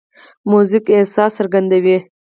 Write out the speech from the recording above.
موزیک احساس څرګندوي.